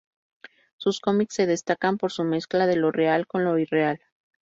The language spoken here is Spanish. Sus cómics se destacan por su mezcla de lo real con lo irreal.